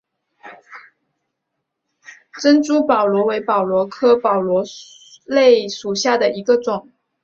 珍珠宝螺为宝螺科宝螺属下的一个种。